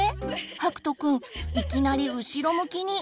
はくとくんいきなり後ろ向きに！